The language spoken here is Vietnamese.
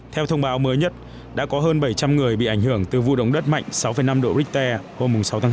theo thông báo mới nhất đã có hơn bảy trăm linh người bị ảnh hưởng từ vụ động đất mạnh sáu năm độ richter hôm sáu tháng hai